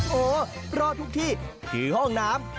มันคือกระถังสายแมวโหรอดทุกที่ถือห้องน้ำ